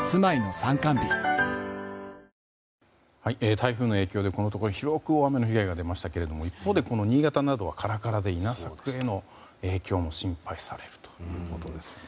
台風の影響でこのところ広く被害が出ましたが一方で新潟などはカラカラで稲作への影響も心配されるということですね。